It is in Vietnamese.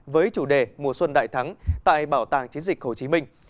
với chủ đề mùa xuân đại thắng tại bảo tàng chiến dịch hồ chí minh